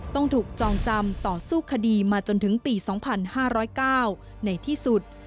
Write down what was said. ต้องถูกจองจำต่อสู้คดีมาจนถึงปี๒๕๐๙ในที่สุด